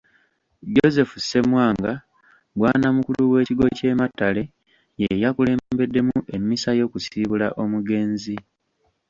Joseph Ssemwanga bwannamukulu w’ekigo ky’e Matale ye yakulembeddemu emmisa y’okusiibula omugenzi.